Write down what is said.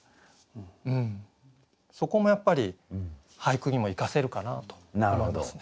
そこもやっぱり俳句にも生かせるかなと思いますね。